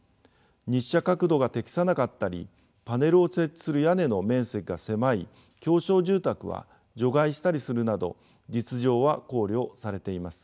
日射角度が適さなかったりパネルを設置する屋根の面積が狭い狭小住宅は除外したりするなど実情は考慮されています。